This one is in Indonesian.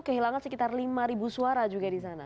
kehilangan sekitar lima suara juga disana